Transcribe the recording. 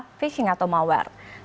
penyerta phishing atau malware